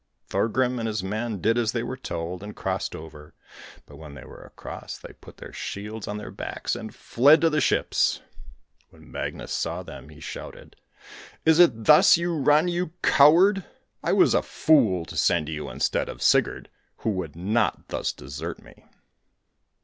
Thorgrim and his men did as they were told and crossed over, but when they were across they put their shields on their backs and fled to the ships. When Magnus saw them he shouted: 'Is it thus you run, you coward? I was a fool to send you instead of Sigurd, who would not thus desert me.'